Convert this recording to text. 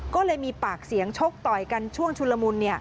ก็เลยมีปากเสียงชกต่อยกันช่วงชุลมุน